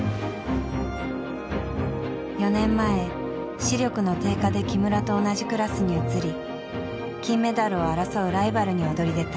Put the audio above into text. ４年前視力の低下で木村と同じクラスに移り金メダルを争うライバルに躍り出た。